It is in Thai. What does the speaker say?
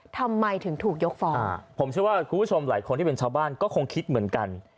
ทำไมถึงถูกยกฟ้องผมเชื่อว่าคุณผู้ชมหลายคนที่เป็นชาวบ้านก็คงคิดเหมือนกัน